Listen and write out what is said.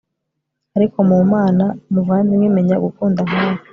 Ariko mu Mana muvandimwe menya gukunda nkawe